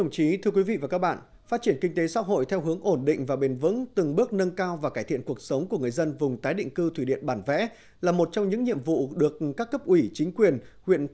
các bạn hãy đăng ký kênh để ủng hộ kênh của chúng mình nhé